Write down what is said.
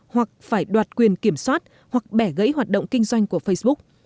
hoặc phải đoạt quyền kiểm soát hoặc bẻ gãy hoạt động kinh doanh của facebook